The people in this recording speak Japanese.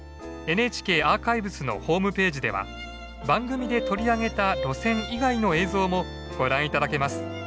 ＮＨＫアーカイブスのホームページでは番組で取り上げた路線以外の映像もご覧頂けます。